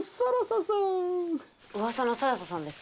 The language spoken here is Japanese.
うわさの更紗さんですか？